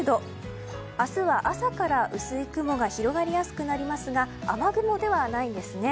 明日は朝から薄い雲が広がりやすくなりますが雨雲ではないんですね。